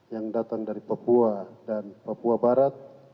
yang datang dari papua dan papua barat